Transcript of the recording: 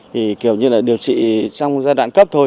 thì kiểu như là điều trị trong giai đoạn cấp thôi